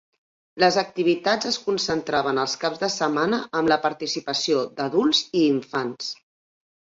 Les activitats es concentraven els caps de setmana amb la participació d'adults i infants.